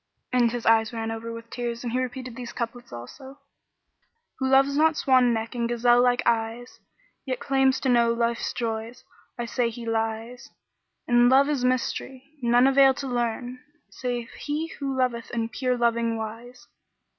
And his eyes ran over with tears and he repeated these couplets also, "Who loves not swan neck and gazelle like eyes, * Yet claims to know Life's joys, I say he lies: In Love is mystery, none avail to learn * Save he who loveth in pure loving wise.